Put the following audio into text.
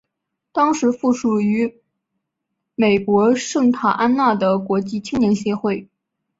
当时附属于美国圣塔安娜的国际青年协会。